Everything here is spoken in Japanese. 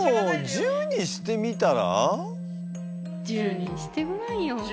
十にしてごらんよ。